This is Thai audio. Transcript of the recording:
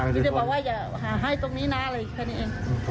มีแต่บอกว่าอย่าหาให้ตรงนี้นะอะไรแค่นี้เอง